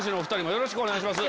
よろしくお願いします。